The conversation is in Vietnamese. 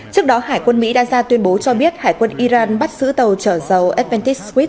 trước đó hải quân mỹ đa gia tuyên bố cho biết hải quân iran bắt giữ tàu trở dâu adventist swift